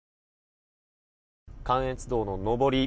関越道の上り。